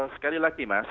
sekali lagi mas